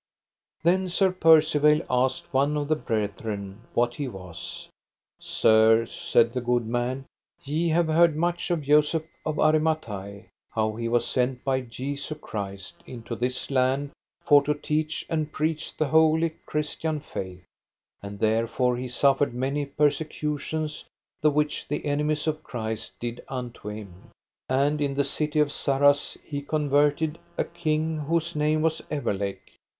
Then Sir Percivale asked one of the brethren what he was. Sir, said the good man, ye have heard much of Joseph of Aramathie, how he was sent by Jesu Christ into this land for to teach and preach the holy Christian faith; and therefore he suffered many persecutions the which the enemies of Christ did unto him, and in the city of Sarras he converted a king whose name was Evelake.